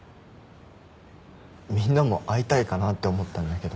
みんなも会いたいかなって思ったんだけど。